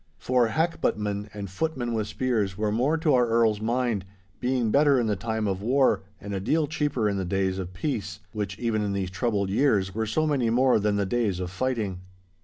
For hackbuttmen, and footmen with spears, were more to our Earl's mind, being better in the time of war, and a deal cheaper in the days of peace—which even in these troubled years were so many more than the days of fighting.